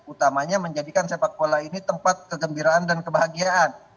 utamanya menjadikan sepak bola ini tempat kegembiraan dan kebahagiaan